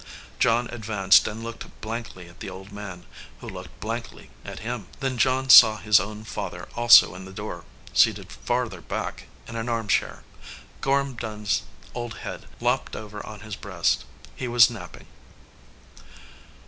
John advanced and looked blankly at the old man, who looked blankly at him. Then John saw his own father also in the door, seated farther back in an arm chair. Gorham Dunn si old head lopped over on his breast. He was napping.